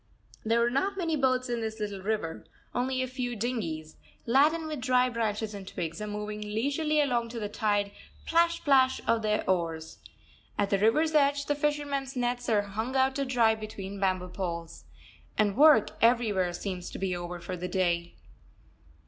There are not many boats in this little river; only a few dinghies, laden with dry branches and twigs, are moving leisurely along to the tired plash! plash! of their oars. At the river's edge the fishermen's nets are hung out to dry between bamboo poles. And work everywhere seems to be over for the day.